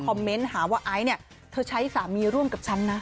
เมนต์หาว่าไอซ์เนี่ยเธอใช้สามีร่วมกับฉันนะ